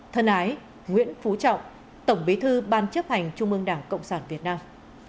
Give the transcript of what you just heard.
thân ái nguyễn phú trọng tổng bí thư ban chấp hành trung ương đảng cộng sản việt nam